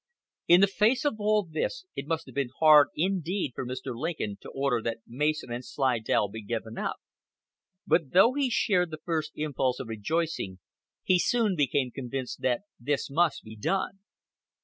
In the face of all this it must have been hard indeed for Mr. Lincoln to order that Mason and Slidell be given up; but though he shared the first impulse of rejoicing, he soon became convinced that this must be done.